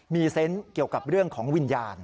มีเซนต์เกี่ยวกับเรื่องของวิญญาณ